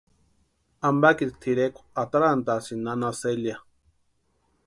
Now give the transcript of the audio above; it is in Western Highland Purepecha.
Ampakiti tʼirekwa atarantʼasïnti nana Celia.